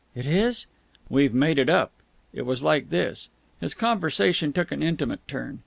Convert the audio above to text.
"It is?" "We've made it up. It was like this...." His conversation took an intimate turn.